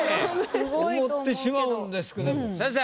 思ってしまうんですけど先生。